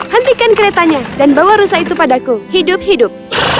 hentikan keretanya dan bawa rusa itu padaku hidup hidup